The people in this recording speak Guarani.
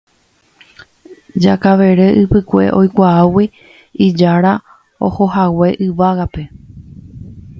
Jakavere Ypykue oikuaágui ijára ohohague yvágape